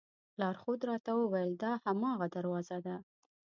لارښود راته وویل دا هماغه دروازه ده.